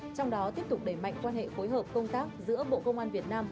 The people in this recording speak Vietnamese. trong đó tiếp tục đẩy mạnh quan hệ phối hợp công tác giữa bộ công an việt nam